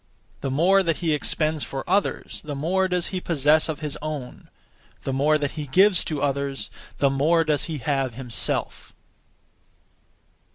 The more that he expends for others, the more does he possess of his own; the more that he gives to others, the more does he have himself.